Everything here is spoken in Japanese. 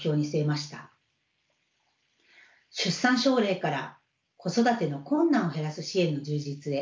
出産奨励から子育ての困難を減らす支援の充実へ。